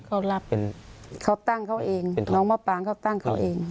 เขารับเป็นเขาตั้งเขาเองน้องมะปางเขาตั้งเขาเอง